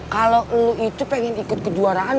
kalau lo itu pengen ikut kejuaraan